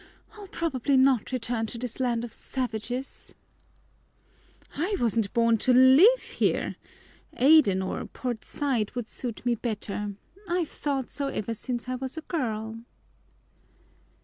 "I'll probably not return to this land of savages." "I wasn't born to live here Aden or Port Said would suit me better I've thought so ever since I was a girl."